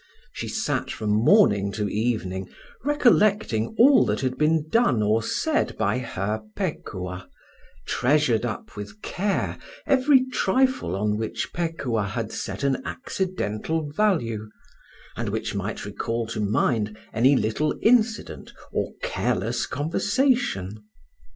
She sat from morning to evening recollecting all that had been done or said by her Pekuah, treasured up with care every trifle on which Pekuah had set an accidental value, and which might recall to mind any little incident or careless conversation.